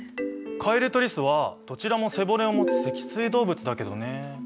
カエルとリスはどちらも背骨をもつ脊椎動物だけどね。